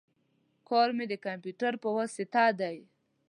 کار می د کمپیوټر په واسطه دی